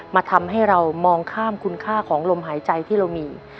ทำให้เรามองข้ามคุณค่าของลมหายใจที่เรามี